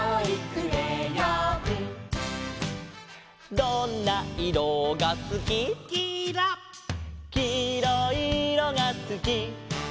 「どんないろがすき」「」「きいろいいろがすき」